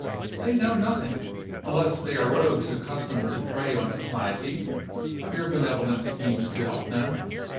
They know nothing (unless they are rogues accustomed to prey on society) of your benevolent schemes to help them.